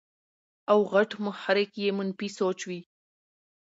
او غټ محرک ئې منفي سوچ وي -